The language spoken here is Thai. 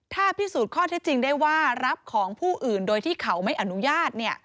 ถ้าพิสูจน์ข้อเท็จจริงได้ว่ารับของผู้อื่นโดยที่เขาไม่อนุญาต